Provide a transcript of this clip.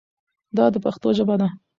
دا د پښتو ژبه ده.